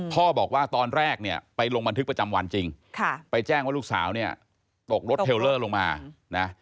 พ่อบอกว่าตอนแรกเนี่ยไปลงบันทึกประจำวันจริงไปแจ้งว่าลูกสาวเนี่ยตกรถเทลเลอร์ลงมานะ